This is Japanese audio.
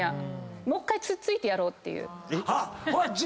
もう１回突っついてやろうっていう。